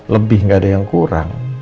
lebih nggak ada yang kurang